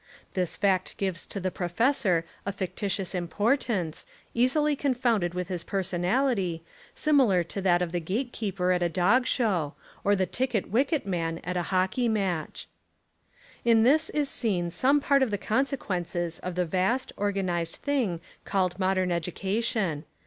This fact gives to the professor a fictitious importance, easily confounded with his personality, similar to that of the gate keeper at a dog show, or the ticket wicket man at a hockey match. In this is seen some part of the consequences of the vast, organised thing called modern edu cation.